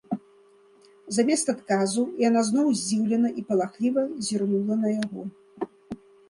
Замест адказу яна зноў здзіўлена і палахліва зірнула на яго.